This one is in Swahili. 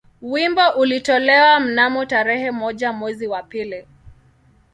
Wimbo ulitolewa mnamo tarehe moja mwezi wa pili